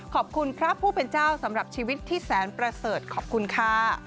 ขอบคุณพระผู้เป็นเจ้าสำหรับชีวิตที่แสนประเสริฐขอบคุณค่ะ